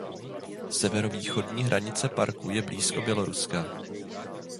Severovýchodní hranice parku je blízko Běloruska.